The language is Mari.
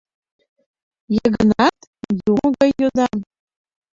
— Йыгнат, юмо гай йодам.